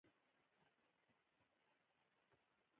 مينې د هيلې طنزيه خبرې ورغوڅې کړې او ويې ويل